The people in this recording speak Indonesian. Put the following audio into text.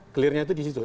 clearnya itu di situ